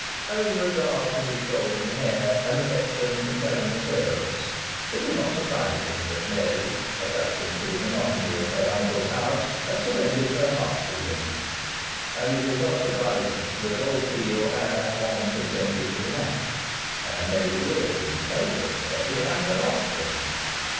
Having regard to his golden hair and affection compelling appearance, it was not surprising that Mary, accustomed to the monotony of her uncle's house, had surrendered her heart to him. And it was not surprising that old Peel had at once consented to the match, and made a will in favour of Mary and her offspring.